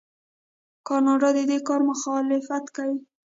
کاناډا د دې کار مخالفت کوي.